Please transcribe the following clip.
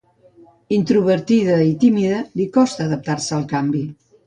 Introvertida i tímida, li costa adaptar-se al canvi.